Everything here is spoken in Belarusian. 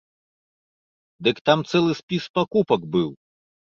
Дык там цэлы спіс пакупак быў!